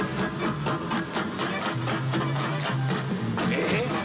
えっ⁉